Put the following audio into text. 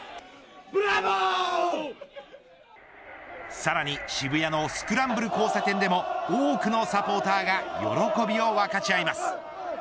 さらに渋谷のスクランブル交差点でも多くのサポーターが喜びを分かち合います。